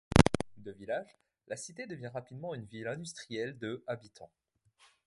De village, la cité devient rapidement une ville industrielle de habitants.